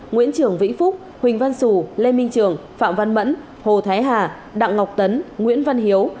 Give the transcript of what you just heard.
nguyễn trường vĩnh phúc huỳnh văn sù lê minh trường phạm văn mẫn hồ thái hà đặng ngọc tấn nguyễn văn hiếu